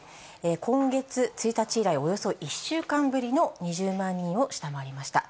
今月１日以来、およそ１週間ぶりの２０万人を下回りました。